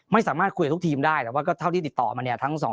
ไม่สามารถคุยกับทุกทีมได้แต่ว่าก็เท่าที่ติดต่อมาเนี่ยทั้งสองคน